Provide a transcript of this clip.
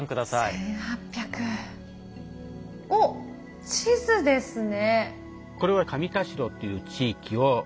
おっ地図ですね。